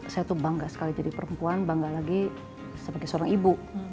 saya tuh bangga sekali jadi perempuan bangga lagi sebagai seorang ibu